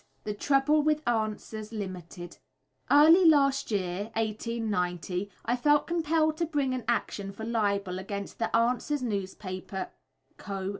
THE TROUBLE WITH "ANSWERS" LIMITED. Early last year (1890) I felt compelled to bring an action for libel against the "Answers" Newspaper Co.